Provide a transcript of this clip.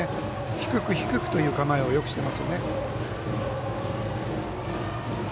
低く、低くという構えをよくしていますよね。